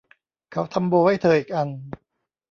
เขาทำโบว์ให้เธออีกอัน